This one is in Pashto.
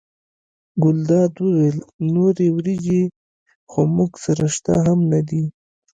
ګلداد وویل نورې وریجې خو موږ سره شته هم نه دي.